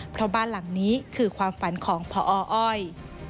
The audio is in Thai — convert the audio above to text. เพราะบ้านหลังนี้คือความฝันของพออ้อย